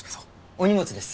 お荷物です。